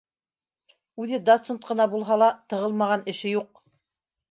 Үҙе доцент ҡына булһа ла, тығылмаған эше юҡ